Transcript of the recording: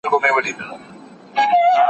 هوږه بدن بد بوی کوي.